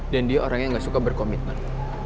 dan dia orang yang gak suka berkomitmen